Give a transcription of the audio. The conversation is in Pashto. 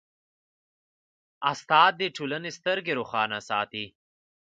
استاد د ټولنې سترګې روښانه ساتي.